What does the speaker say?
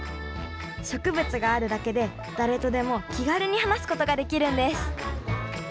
植物があるだけで誰とでも気軽に話すことができるんです